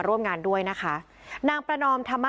สวัสดีครับ